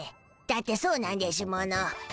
だってそうなんでしゅもの。